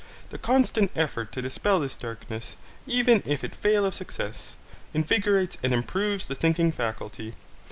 The constant effort to dispel this darkness, even if it fail of success, invigorates and improves the thinking faculty.